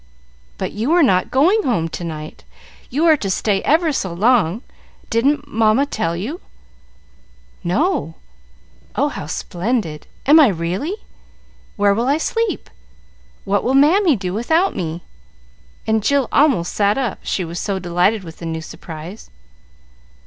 "But you are not going home to night; you are to stay ever so long. Didn't Mamma tell you?" "No. Oh, how splendid! Am I really? Where will I sleep? What will Mammy do without me?" and Jill almost sat up, she was so delighted with the new surprise.